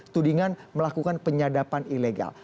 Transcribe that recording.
tudingan melakukan penyadapan ilegal